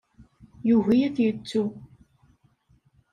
Yugi ad t-yettu.